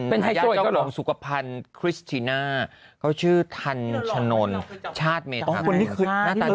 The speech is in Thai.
เป็นไฮโซก็เหรอยักษ์เจ้าของสุขระพันธ์คริสติน่าเขาชื่อทันชนนชาติเมทราคม